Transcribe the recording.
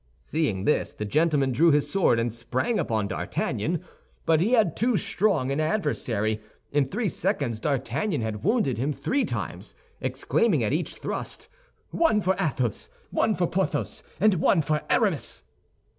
Seeing this, the gentleman drew his sword, and sprang upon D'Artagnan; but he had too strong an adversary. In three seconds D'Artagnan had wounded him three times, exclaiming at each thrust, "One for Athos, one for Porthos; and one for Aramis!"